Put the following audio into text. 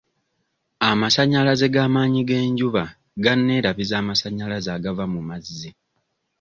Amasannyalaze g'amaanyi g'enjuba ganeerabiza amasannyalaze agava mu mazzi.